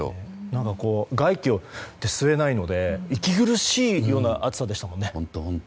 何か外気を吸えないので息苦しい暑さでしたもんね。